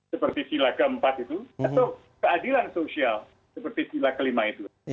seperti sila keempat itu atau keadilan sosial seperti sila kelima itu